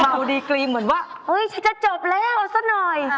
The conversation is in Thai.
ดูดีกรีมเหมือนว่าเฮ้ยฉันจะจบแล้วเอาซะหน่อย